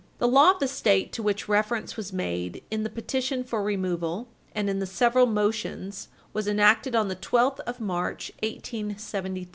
The law of the State to which reference was made in the petition for removal and in the several motions was enacted on the 12th of March, 1873 (Acts of 18778, p.